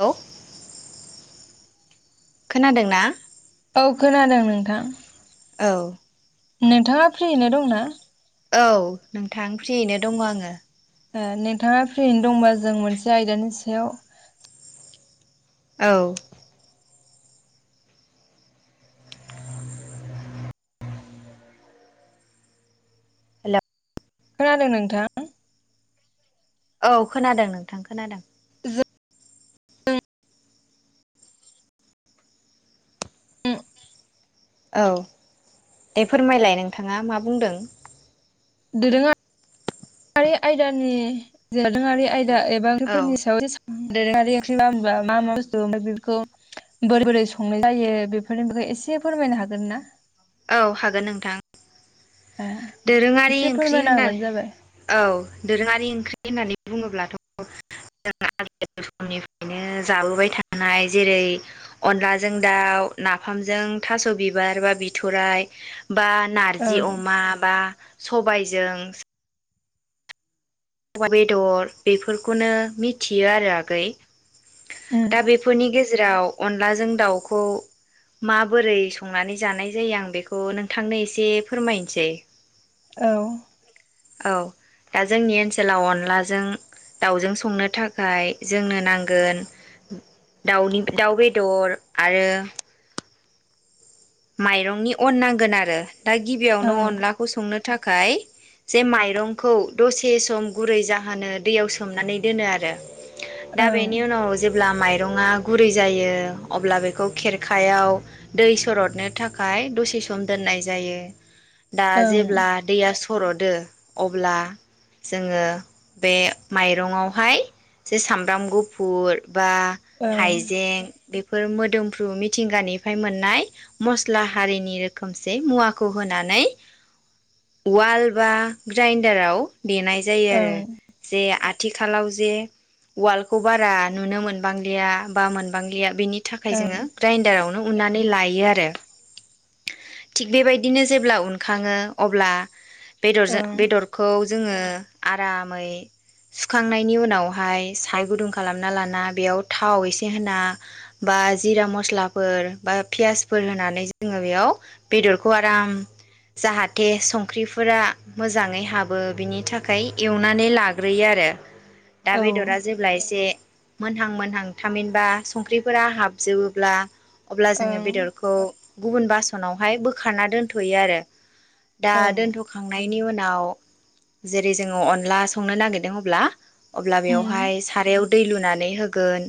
Hello. [inaudible] खोनादोंना? औ खोनादों नोंथां। औ। नोंथाङा फ्रियैनो दंना? औ नोंथां फ्रियैनो दङ आङो। ओ नोंथाङा फ्रियैनो दंबा जों मोनसे आयदानि सायाव औ। हेल' खोनादों नोंथां? औ खोनादों नोंथां खोनादों। जों औ दे फोरमायलाय नोंथाङा मा बुंदों? दोरोङारि आयदानि दोरोङारि आय दा एबा औ [unintelligible] सायाव दि दोरोङारि ओख्रिबा मा - मा बुस्थु बेफोरखौ बोरै - बोरै संनाय जायो बेफोरनि बागै एसे फोरमायनो हागोन ना? औ हागोन नोंथां। ओ दोरोङारि एसे ओंख्रि फोरमायना होनना होबानो जाबाय औ दोरोङारि ओंख्रि होननानै बुङोब्लाथ' जों आ समनिफ्रायनो जाबोबाय थानाय जेरै अनलाजों दाउ नाफामजों थास' बिबार बा बिथराइ बा नारजि ओं अमा बा सबायजों अमा बेदर बेफोरखौनो मिथियो आरो आगै। उम दा बेफोरनि गेजे जेराव अनलाजों दाउखौ माबोरै संनानै जानाय जायो आं बेखौ नोंथांनो एसे फोरमायनोसै। औ। औ दा जोंनि ओनसोलाव अनलाजों दाउजों संनो थाखाय जोंनो नांगोन दाउनि दाउ बेदर आरो माइरंनि अन नांगोन आरो। दा गिबियावनो ओं अनलाखौ संनो था थाखाय जे माइरंखौ दसे सम गुरै जाहोनो दैयाव सोमनानै दोनो आरो। दा ओं बेनि उनाव जेब्ला माइ माइरङा गुरै जायो अब्ला बेखौ खेरखायाव दै सरद नो थाखाय दसे सम दोननाय जायो। दा ओं जेब्ला दैया स रदो अब्ला जोङो बे माइरङआवहाय जे सामब्राम गुफुर बा ओं हाइजें बे फोर मोदोमफ्रु मिथिंगानिफ्राय मोननाय मस्ला हारिनि रोखोमसे मुवाखौ होनानै उवाल बा ग्राइनडाराव देनाय जायो आरो ओं ओं जे आ थिखालाव जे उवालखौ बारा नुनो मोनबांलिया बा मोनबांलिया। बिनि थाखाय जोङो ग्राइडाराव उननानै लायो आरो। थिग बेबायदिनो जेब्ला उनखाङो अब्ला बेदरजों ओं बेदरखौ जोङो आरामै सुखांनायनि उनावहाय साराइगुदुं खालामना लाना बेयाव थाव एसे होना बा जिरा मस्लाफोर बा पियासफोर होनानै ज जोङो बेयाव बेदरखौ आराम जाहाथे संख्रिफोरा मोजाङै हाबो बेनि थाखाय एवनानै लाग्रोयो आरो दा औ बेदरा जेब्ला एसे मोनहां मोनहां थामहिनबा संख्रिफोरा हाबजोबोब्ला अब्ला जोङो ओं बेदरखौ गुबुन बासनावहाय बोखारना दोनथ'यो आरो दा ओं दोनथ'खांनाय बेनि उनाव जेरै जोङो अनला संनो नागिरदों अब्ला अब्ला बेवहाय सारायाव दै लुनानै होगोन।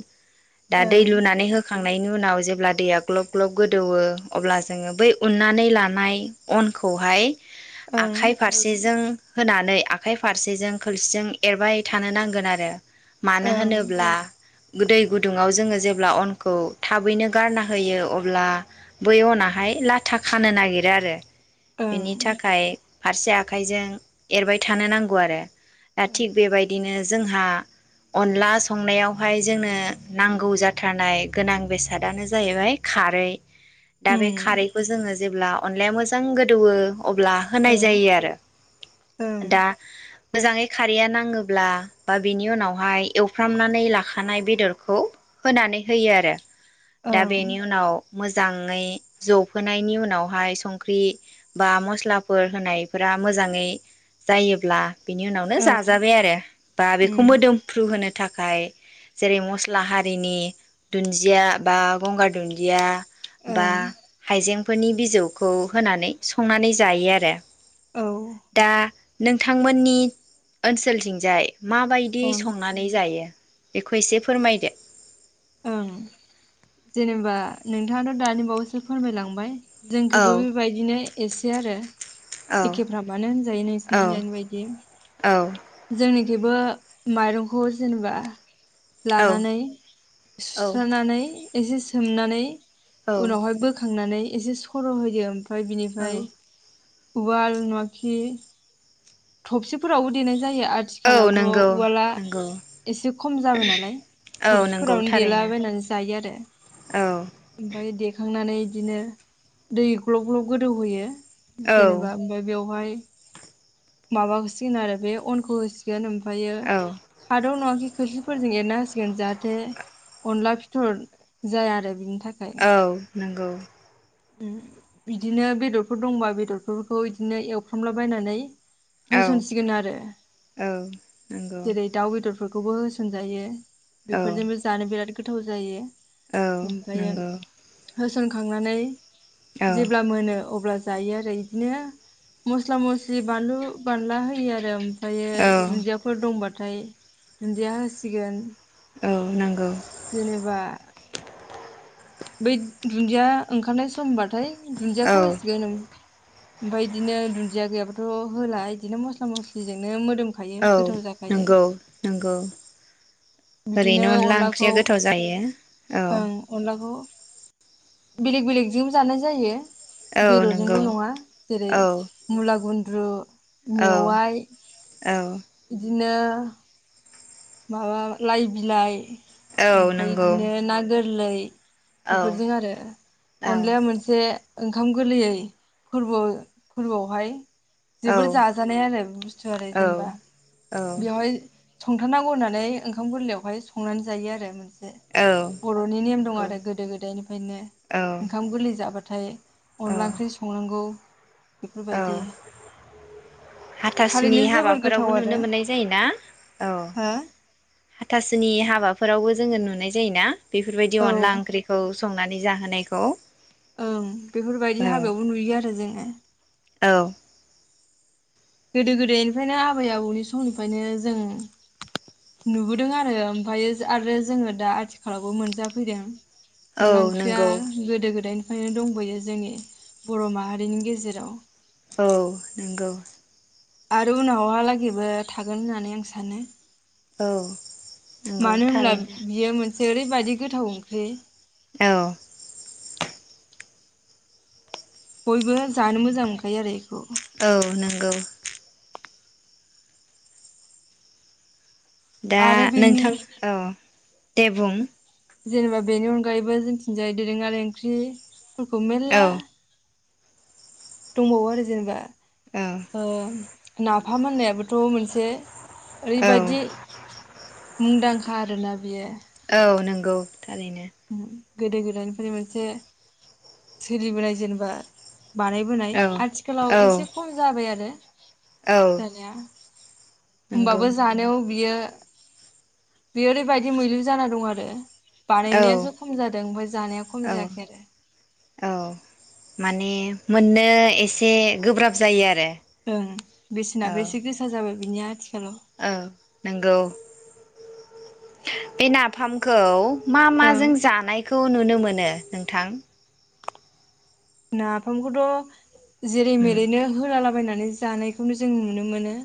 दा दै लुनानै होखां खांनायनि उनाव जेब्ला दैया ग्लब ग्लब गोदौयो अब्ला जोङो बै उननानै लानाय अनखौहाय आखाइ फारसेजों होनानै आखाइ फारसेजों खोरसिजों एरबाय थानो नांगोन आरो मानो होनोब्ला दै गुदुङाव जोङो जे अब्ला अनखौ थाबैनो गारना होयो अब्ला बै अनाहाय लाथा खानो नागिरो आरो बेनि थाखाय फारसे आखाइजों एरबाय थानो नांगौ आरो दा थिग बेबायदिनो जोंहा अनला संनायावहाय जोंनो नांगौ जाथारनाय गोनां बेसादानो जाहैबाय खारै दा बे खारैखौ जोङो जेब्ला अनलाया मोजां गोदौयो अब्ला होनाय जायो आरो दा मोजाङै खारैया नाङोब्ला बा बिनि उनावहाय एवफ्रामनानै लाखानाय बेदरखौ होनानै होयो आरो दा बेनि उनाव मोजां ङै जबहोनायनि उनावहाय संख्रि बा मस्लाफोर होनायफोरा मोजाङै जायोब्ला बेनि उनावनो जाजाबाय आरो बा बेखौ मोदोमफ्रु होनो थाखाय जेरै मस्ला हारिनि दुन्दिया बा गंगार दुन्दिया बा हाइजेंफोरनि बिजौखौ होनानै संनानै जायो आरो दा नोंथांमोननि ओनसोलथिंजाय माबायदि ओं संनानै जायो बेखौ एसे फोरमायदो ओं जेनेबा नोंथाङाथ' दानि बावैसो फोरमायलांबाय जोंखैबो औ बेबायदिनो एसे आरो औ एखेफ्रामानो होनजायो औ नोंसिनिथिंजायनि औ बायदि जोंनिखैबो माइरंखौ जेनेबा औ लानानै औ सुस्रानानै एसे सोमनानै औ उनावहाय बोखांनानै एसे सर' होयो ओमफाय औ बिनिफाय उवाल नंआखि थबसिफोरावबो देनाय जायो औ आथिखालावथ' नंगौ उवाला नंगौ एसे खम जाबाय नालाय औ नंगौ थबसिफोरावनो थारैनो देलाबायनानै जायो आरो औ ओमफाय देखांनानै बिदिनो दै ग्लब ग्लब गोदौहोयो औ जेनेबा ओमफाय बेवहाय माबा होसिगोन आरो बे अनखौ होसिगोन ओमफायो औ खादौ नङाखि खोस्लिफोरजों एरना होसिगोन जाहाथे अनला फिथर जाया आरो बिनिफ्राय थाखाय नोंगौ। बिदिनो बेदरफोर दंबा बेदरफोरखौ इदिनो एवफ्रामलाबायनानै औ होसनसिगोन आरो। औ नंगौ जेरै दाव बेदर फोरखौबो होसनजायो। औ बेफोरजोंबो जानो बिराद गोथाव जायो। औ नंगौ। सनखांनानै औ जेब्ला मोनो अब्ला जायो आरो इदिनो मस्ला मस्लि बानलु बानला होयो आरो ओमफ्रायो औ औ दुन्दिया फोर दंबाथाय दुन्दिया होसिगोन औ नंगौ। जेनेबा बै दुन्दिया ओंखारनाय समबाथाय औ दुनदियाखौ होसिगोन ओन ओमफ्राय बिदिनो दुन्दिया गैयाबाथ' होला बिदिनो मस्ला मस्लिजोंनो मोदोम औ नंगौ नंगौ। बिदिनो ओरैनो अनला ओंख्रिया अनलाखौ गोथाव जाखायो। ओं अनलाखौ बेलेग बेलेगजों जानाय जायो। औ नंगौ बेदरजोंल' नङा जेरै औ मुला गुन [unintelligible] औ मेवाइ औ बिदिनो [unintelligible] माबा लाइ बिलाइ औ ओमफ्राय नंगौ इदिनो ना गोरलै [inaudible] औ बेफोरजों आरो औ अनलाया मोनसे ओंखाम गोरलैयै फोरबोआव फोरबोआवहाय औ जोबोर जाजानाय आरो बुस्थु आरो जेनेबा बेवहाय संथारनांगौ होननानै ओंखाम गोरलैयावहाय संनानै जायो आरो मोनस से औ बर'नि नेम दं नंगौ आरो गोदो गोदायनिफ्रायनो औ ओंखाम गोरलै जाबा थाय औ अनला ओंख्रि संनांगौ। औ बेफोरबायदि हाथासुनि थारैनो हाबाफोरावबो नुनो मोननाय जायोना? औ हा? हाथासुनि हाबाफोरावबो जोङो नुनाय जायोना? बेफोरबायदि हो औ अनला ओंख्रिखौ संनानै जाहोनायखौ। ओं बेफोरबायदि औ हाबायावबो नुयो आरो जोङो। औ। गोदो गोदायनिफ्रायनो आबै आबौनि समनिफ्रायनो जों नुबोदों आरो ओमफायो आरो जोङो दा आथिखालावबो मोनजाफैदों। औ अनला ओंख्रिया नंगौ गोदो गोदायनि ओंखायनो दंबोयो जोंनि बर' माहारिनि गेजेराव। औ नोंगौ। आरो उनावहा लागि बो थागोन होननानै आं सानो। औ नंगौ मानो होनब्ला थारैनो बियो मोनसे ओरैबादि गोथाव ओंख्रि औ। बयबो जानो मोजां मोनखायो आरो इखौ। औ नंगौ। दा आरो बेनि नोंथां औ दे बुं जेनेबा बेनि अनगायैबो जोंथिंजाय दोरोङारि ओंख्रि बेखौ औ मेरला दंबावो आरो जेनेबा औ औ नाफाम होननायाबोथ' मोनसे औ ओरैबायदि मुंदांखा आरोना बियो औ नंगौ थारैनो गोदो गोदायनिफ्रायनि मोनसे सोलिबोनाय जेनेबा बानायबोनाय औ आथिखालाव औ एसे खम जाबाय आरो औ जानाया नंगौ होमबाबो जानायाव बियो बे ओरैबायदि मैलु जाना दं आरो औ बानायनायासो खम जादों ओमफ्राय जानाया खम औ जायाखै आरो औ माने मोननो एसे गोब्राब जायो आरो ओं बिसिना औ बेसेना इसे गोसा जाबाय बिनिया आथिखालाव औ नंगौ बे नाफामखौ मा ओं माजों जानायखौ नुनो मोन नो नोंथां नाफामखौथ' जेरै उम मेरैनो होलाला थाबायनानै जानायखौनो जों नुनो मोनो।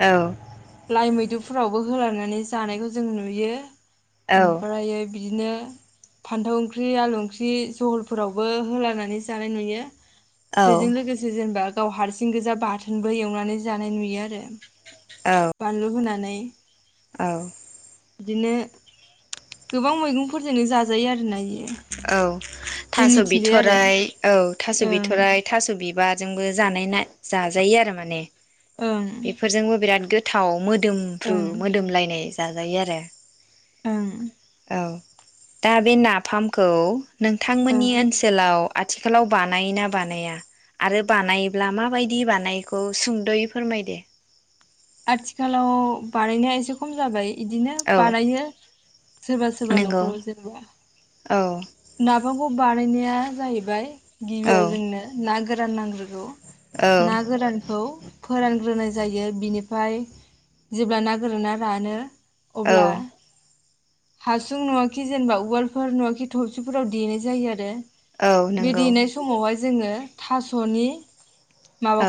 औ लाइ मैद्रुफोरावबो होलानानै जानायखौ जों नुयो औ ओमफाय बिदिनो फान्थाव ओंख्रि आलु ओंख्रि जहलफोरावबो होलनानै जानाय नुयो। औ बिजों लोगोसे जों दा गाव हारसिं गोजा बाथोनबो एवनानै जानाय नुयो आरो बानलु होनानै नै औ बिदिनो गोबां मैगंफोरजोंनो जाजायो आरोना बियो औ थास' आरो बिथ'राय औ थास' ओं बिथ'राय थास' बिबार। जोंबो जानाय जाजायो आरो माने। ओं बेफोरजोंबो बिराद गोथ थाव मोद मोदोमफ्रु ओं मोदोमलायनाय। जाजायो आरो। ओं। औ दा बे नाफाम खौ। नोंथांमोननि ओं ओनसोलाव आथिखालाव बानायोना बानाया आरो बानायोब्ला माबायदि बानायोखौ सुंद'यै फोरमायदे। आथिखालाव बानायनाया एसे खम जाबाय। इदिनो औ बानायो सोरबा सोरबा नंगौ न'खराव जेनेबा। औ। नाफांखौ बानायनाया जाहैबाय औ गिबियाव जोंनो नागो राननांगोन। औ ना गोरानखौ फोरानग्रोनाय जायो बिनिफ्राय जेब्ला ना गोराना रानो। अब्ला। औ हासुंं नङा कि जेनेबा उवालफोर नङा कि थौसिफोराव देनाय जायो आरो। औ नंगौ बेदिनाय समावहाय जोङो थास'नि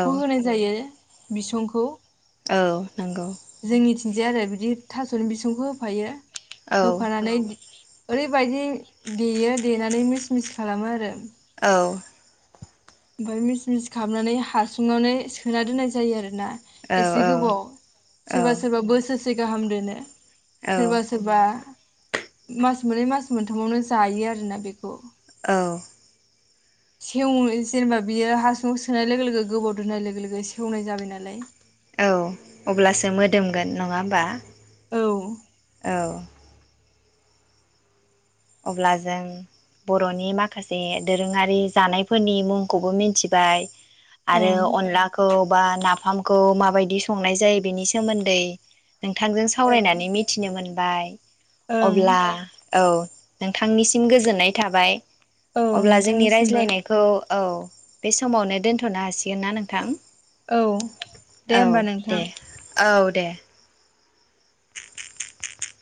औ होनाय जायो। बिसंखौ। औ नंगौ। बिदि आरो बिदि थास'नि बिसंखौ होफायो। औ होफानानै। ओरै बायदि। देयो देनानै मिस मिस खालामो आरो। औ। ओमफ्राय मिस मिस खालामनानै हासुंङावनो सोनानै दोननाय जायो आरो। औ एसे गोबाव औ औ सोरबा सोरबा बोसोर से। गाहाम दोनो। औ सोरबा सोरबा। मास मोननै मास मोनथामावनो जायो आरोना बेखौ। औ सेव जेनेबा बियो हासुुंखौ सोनाय लोगो लोगो गोबाव दोननाय लोगो लोगो सेवनाय जाबाय नालाय। औ अब्लासो मोदोमगोन नङा होमबा? औ ओं औ अब्ला जों बर'नि माखासे दोरोङारि जानायफोरनि मुंखौबो मिथिबाय। आरो ओं अनलाखौ। बा नाफामखौ माबायदि संनाय जायो बेनि सोमोन्दै। नोंथांजों सावरायनानै मिथिनो मोनबाय ओं अब्ला औ नोंथांनिसिम गोजोननाय थाबाय। औ अब्ला जोंनि नोंथांनिसिमबो रायज्लायनायखौ औ। बे समावनो दोनथ'नो हासिगोन ना नोंथां? औ दे औ होमबा नोंथां। दे [inaudible] [inaudible]